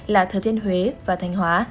là thừa thiên huế và thanh hóa